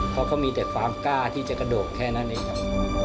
เขาก็มีแต่ความกล้าที่จะกระโดดแค่นั้นเองครับ